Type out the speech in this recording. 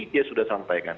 dia sudah sampaikan